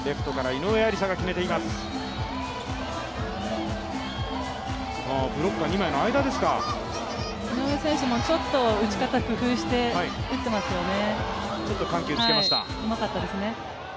井上選手もちょっと打ち方を工夫して打っていますよね。